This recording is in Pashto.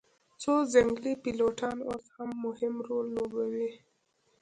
خو ځنګلي پیلوټان اوس هم مهم رول لوبوي